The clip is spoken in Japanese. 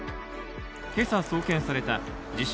今朝送検された自称